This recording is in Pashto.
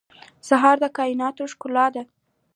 سهار د کایناتو ښکلا ده.